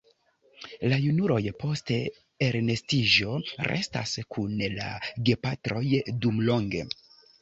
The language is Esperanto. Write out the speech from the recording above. La junuloj post elnestiĝo restas kun la gepatroj dumlonge.